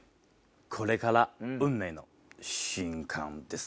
これから運命の瞬間です。